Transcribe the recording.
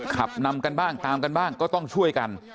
ขับนำกันบ้างตามกันบ้างก็ต้องช่วยกัน